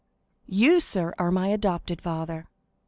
"You, sir?—you are my adopted father.